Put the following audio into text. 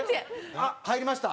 あっ入りました。